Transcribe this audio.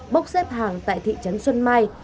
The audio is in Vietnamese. bốc xếp hàng tại thị trấn xuân mai